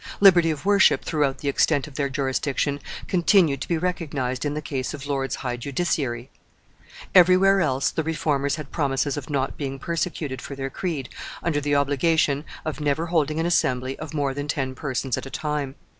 Liberty of worship throughout the extent of their jurisdiction continued to be recognized in the case of lords high justiciary. Everywhere else the Reformers had promises of not being persecuted for their creed, under the obligation of never holding an assembly of more than ten persons at a time.